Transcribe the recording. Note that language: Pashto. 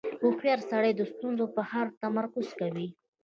• هوښیار سړی د ستونزو پر حل تمرکز کوي.